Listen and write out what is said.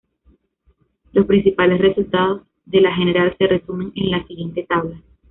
Los principales resultados de la general se resumen en la siguiente tabla.